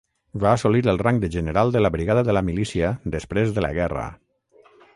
Va assolir el rang de general de la brigada de la milícia després de la guerra.